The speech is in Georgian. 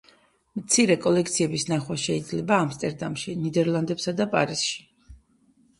მცირე კოლექციების ნახვა შეიძლება ამსტერდამში, ნიდერლანდებსა და პარიზში.